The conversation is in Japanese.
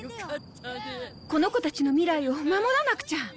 この子たちの未来を守らなくちゃ！